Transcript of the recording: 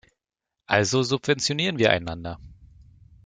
Also subventionieren wir einander!